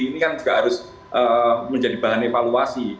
ini kan juga harus menjadi bahan evaluasi